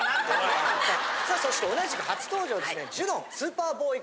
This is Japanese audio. さあそして同じく初登場ですね。